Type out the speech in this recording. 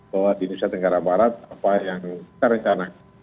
buat indonesia tenggara barat apa yang kita rencana